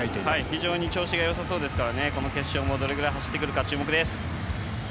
非常に調子が良さそうですからこの決勝も、どのくらい走ってくるか注目です。